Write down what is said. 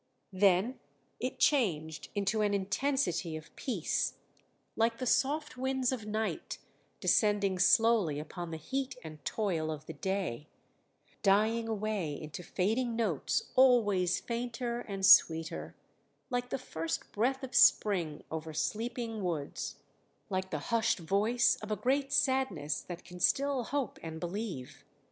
Then it changed into an intensity of peace, like the soft winds of night descending slowly upon the heat and toil of the day; dying away into fading notes always fainter and sweeter, like the first breath of spring over sleeping woods, like the hushed voice of a great sadness that can still hope and believe